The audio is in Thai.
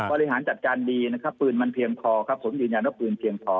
บริหารจัดการดีนะครับปืนมันเพียงพอครับผมยืนยันว่าปืนเพียงพอ